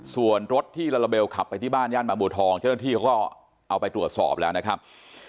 ส่วนรถที่ลาลาเบลขับไปที่บ้านย่านบางบัวทองเจ้าหน้าที่เขาก็เอาไปตรวจสอบแล้วนะครับ